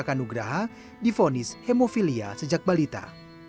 menjaga nugraha di vonis hemofilia sejak balita